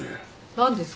何ですか？